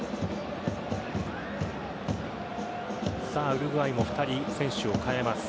ウルグアイも２人選手を代えます。